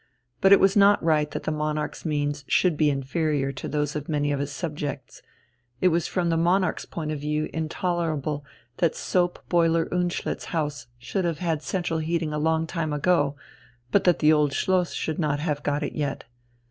But it was not right that the monarch's means should be inferior to those of many of his subjects; it was from the monarch's point of view intolerable that soap boiler Unschlitt's house should have had central heating a long time ago, but that the Old Schloss should not have got it yet.